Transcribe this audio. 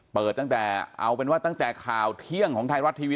เปิดตั้งแต่เอาเป็นว่าตั้งแต่ข่าวเที่ยงของไทยรัฐทีวี